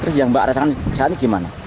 terus yang mbak rasanya kesal ini gimana